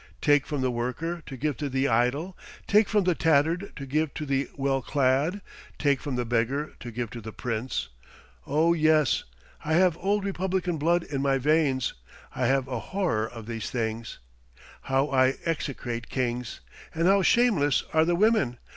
take from the worker to give to the idle, take from the tattered to give to the well clad; take from the beggar to give to the prince! Oh yes! I have old republican blood in my veins. I have a horror of these things. How I execrate kings! And how shameless are the women!